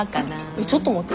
えっちょっと待って。